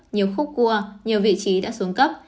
nhiều khúc cua nhiều vị trí đã xuống cấp